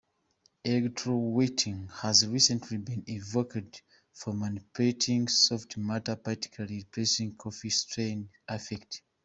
Electrowetting has recently been evoked for manipulating Soft Matter particularly, suppressing coffee stain effect.